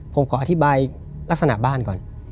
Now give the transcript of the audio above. ผมขออธิบายลักษณะบ้านก่อน